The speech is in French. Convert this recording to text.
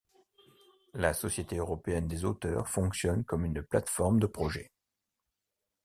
La Société européenne des auteurs fonctionne comme une plateforme de projets.